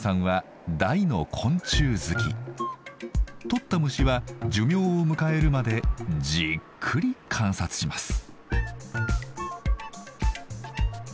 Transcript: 捕った虫は寿命を迎えるまでじっくり観察します。